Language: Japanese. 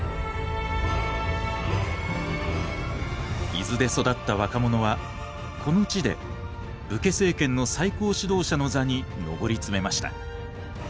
伊豆で育った若者はこの地で武家政権の最高指導者の座に上り詰めました。